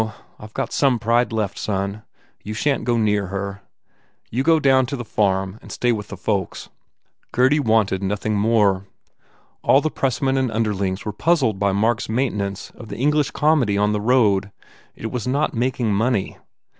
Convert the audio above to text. I ve got some pride left, son. You shan t go near her. You go down to the farm and stay with the folks." Gurdy wanted nothing more. All the press men and underlings were puzzled by Mark s main tenance of the English comedy on the road. It was not making money.